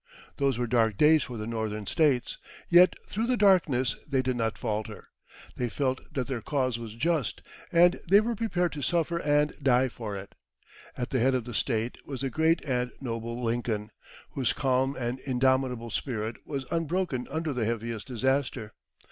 Those were dark days for the Northern States, yet through the darkness they did not falter. They felt that their cause was just, and they were prepared to suffer and die for it. At the head of the State was the great and noble Lincoln, whose calm and indomitable spirit was unbroken under the heaviest disaster.